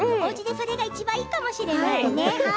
それがいいかもしれないね。